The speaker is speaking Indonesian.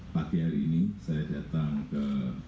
pagi hari ini saya datang ke